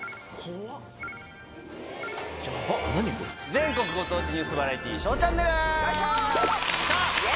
全国ご当地ニュースバラエティー『ＳＨＯＷチャンネル』！